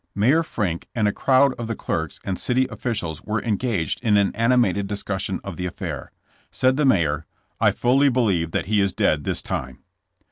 Mayor Frink and a crowd of the clerks and city officials were engaged in an animated discussion of the affair. Said the mayor: "I fully believe that he is dead this time."